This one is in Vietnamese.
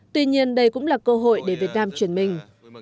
tuy nhiên đây cũng là cơ hội để việt nam chuyển mình